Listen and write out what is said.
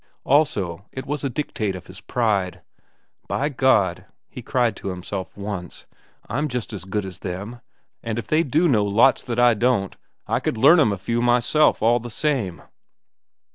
Also, it was a dictate of his pride. "By God!" he cried to himself, once; "I'm just as good as them, and if they do know lots that I don't, I could learn 'm a few myself, all the same!"